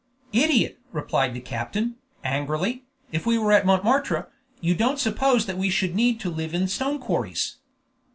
"Idiot!" replied the captain, angrily, "if we were at Montmartre, you don't suppose that we should need to live in stone quarries?"